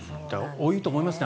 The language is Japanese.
多いと思いますね